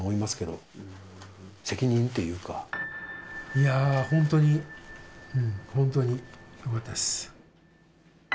いや本当に本当によかったです。